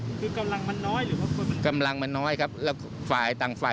คือกำลังมันน้อยหรือว่า